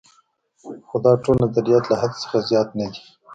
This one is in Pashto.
خو دا ټول نظریات له حدس څخه زیات نه دي.